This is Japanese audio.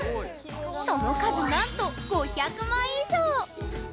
その数なんと５００枚以上！